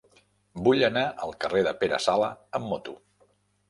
Vull anar al carrer de Pere Sala amb moto.